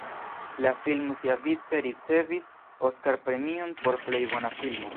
La filmo siavice ricevis Oskar-premion por plej bona filmo.